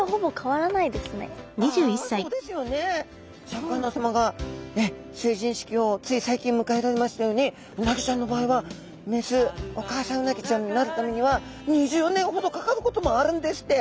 シャーク香音さまが成人式をつい最近むかえられましたようにうなぎちゃんの場合は雌お母さんうなぎちゃんになるためには２０年ほどかかることもあるんですって。